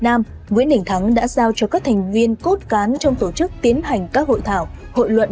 nam nguyễn đình thắng đã giao cho các thành viên cốt cán trong tổ chức tiến hành các hội thảo hội luận